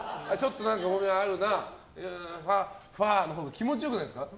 ごみがあるな、ファッ、ファッのほうが気持ちよくないですか？